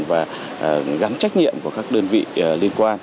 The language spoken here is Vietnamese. và gắn trách nhiệm của các đơn vị liên quan